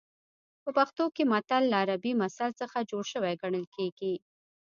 په پښتو کې متل له عربي مثل څخه جوړ شوی ګڼل کېږي